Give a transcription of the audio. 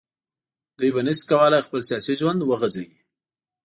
دوی به نه شي کولای خپل سیاسي ژوند وغځوي